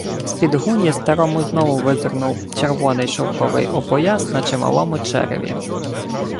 З-під гуні старому знову визирнув червоний шовковий опояс на чималому череві.